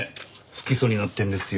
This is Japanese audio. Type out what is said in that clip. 不起訴になってるんですよ。